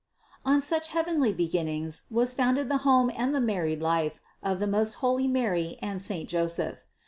768. On such heavenly beginnings was founded the home and the married life of the most holy Mary and saint Joseph.